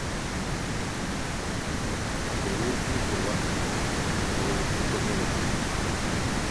ہے دیوؤ گیکو وخت بیکو ہو روپھیکو نوبیتائے